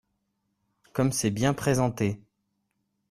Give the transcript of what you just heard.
Comme c’est bien présenté